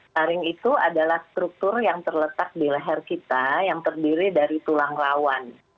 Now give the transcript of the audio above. taring itu adalah struktur yang terletak di leher kita yang terdiri dari tulang rawan